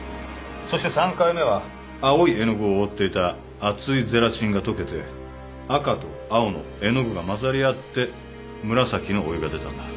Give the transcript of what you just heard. そして３回目は青い絵の具を覆っていた厚いゼラチンが溶けて赤と青の絵の具が混ざり合って紫のお湯が出たんだ。